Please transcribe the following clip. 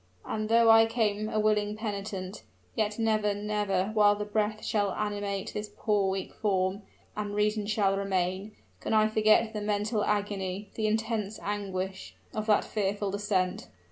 "And though I came a willing penitent, yet never, never while the breath shall animate this poor, weak form, and reason shall remain, can I forget the mental agony, the intense anguish, of that fearful descent.